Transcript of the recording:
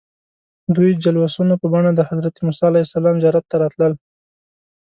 دوی جلوسونه په بڼه د حضرت موسى علیه السلام زیارت ته راتلل.